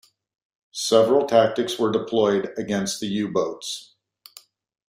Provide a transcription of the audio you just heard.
Several tactics were deployed against the U-boats.